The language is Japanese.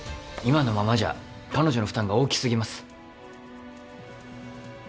今のままじゃ彼女の負担が大きすぎます。